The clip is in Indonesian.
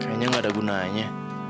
kayaknya gak ada gunanya